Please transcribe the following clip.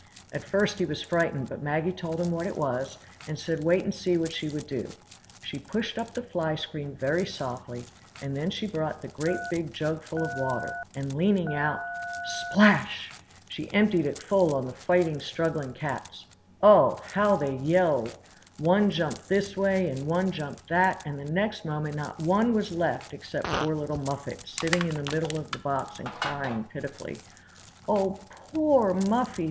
At first he was frightened, but Maggie told him what it was, and said wait and see what she would do. She pushed up the fly screen very softly, and then she brought the great big jug full of water, and leaning out,—splash! she emptied it full on the fighting, struggling cats. Oh! how they yelled! One jumped this way, and one jumped that; and the next moment not one was left except poor little Muffet, sitting in the middle of the box and crying pitifully. "Oh, poor Muffy!"